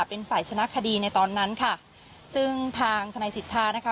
เป็นฝ่ายชนะคดีในตอนนั้นค่ะซึ่งทางทนายสิทธานะคะ